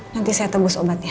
nanti saya tebus obatnya